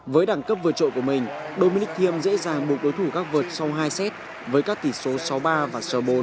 với đẳng cấp vượt trội của mình dominic thiem dễ dàng buộc đối thủ gặp vượt sau hai set với các tỷ số sáu mươi ba và sáu mươi bốn